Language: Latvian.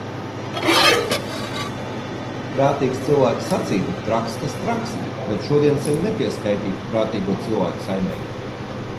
Prātīgs cilvēks sacītu traks kas traks, bet šodien sevi nepieskaitu prātīgo cilvēku saimei.